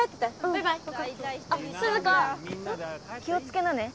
気をつけなね。